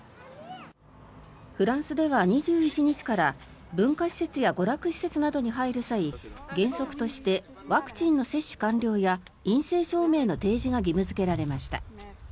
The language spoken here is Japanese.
フランスでは２１日から文化施設や娯楽施設などに入る際原則としてワクチンの接種完了や陰性照明の提示が義務付けられました。